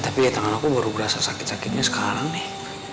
tapi ya tangan aku baru berasa sakit sakitnya sekarang nih